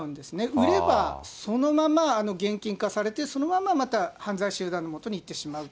売ればそのまま現金化されて、そのまままた犯罪集団のもとにいってしまうと。